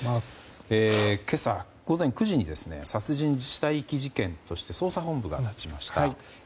今朝午前９時に殺人・死体遺棄事件として捜査本部が立ちました。